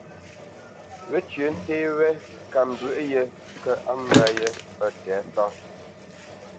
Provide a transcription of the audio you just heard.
Wécyə̌ té wé ŋkambwə̌ yē kə̂ á mbə̄ yé mbə̄ tɛ̌sáʼ.